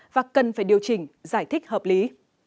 và cần phải điều chỉnh giải thích hợp lý